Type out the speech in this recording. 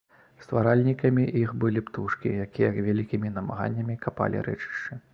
Стваральнікамі іх былі птушкі, якія вялікімі намаганнямі капалі рэчышчы.